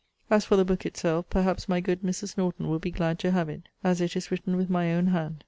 As for the book itself, perhaps my good Mrs. Norton will be glad to have it, as it is written with my own hand.